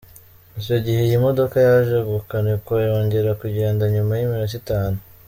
Icyo gihe iyi modoka yaje gukanikwa yongera kugenda nyuma y’iminota itanu.